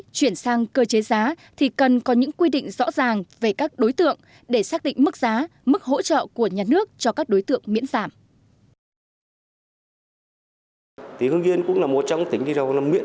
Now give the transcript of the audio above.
chuyển sang cơ chế giá thì cần có những quy định rõ ràng về các đối tượng để xác định mức giá mức hỗ trợ của nhà nước cho các đối tượng miễn giảm